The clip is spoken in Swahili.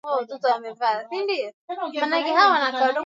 hata mazuri ya uasilia Vitu hivi hadi kufikia